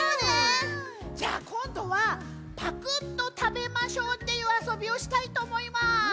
じゃあこんどは「パクっとたべましょう」っていうあそびをしたいとおもいます。